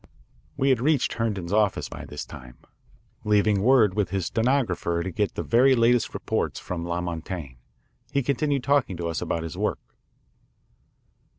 We had reached Herndon's office by this time. Leaving word with his stenographer to get the very latest reports from La Montaigne, he continued talking to us about his work.